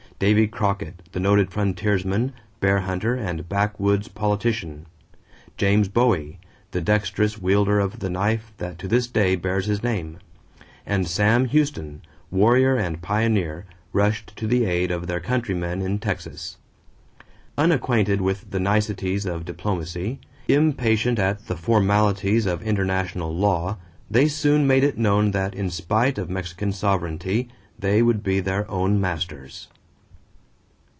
Davy Crockett, the noted frontiersman, bear hunter, and backwoods politician; James Bowie, the dexterous wielder of the knife that to this day bears his name; and Sam Houston, warrior and pioneer, rushed to the aid of their countrymen in Texas. Unacquainted with the niceties of diplomacy, impatient at the formalities of international law, they soon made it known that in spite of Mexican sovereignty they would be their own masters.